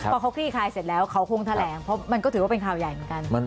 พอเขาคลี่คลายเสร็จแล้วเขาคงแถลงเพราะมันก็ถือว่าเป็นข่าวใหญ่เหมือนกัน